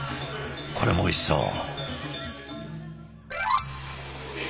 これもおいしそう。